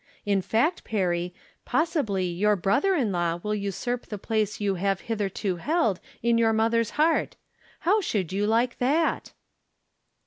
In fact, Perry, possibly your brother in law will usurp the place you have hitherto held in your mother's heart. How should you like that